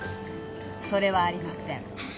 それはありません。